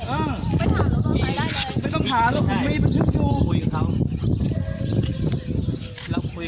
เอาตังค์อะไรผมไม่ออกตังค์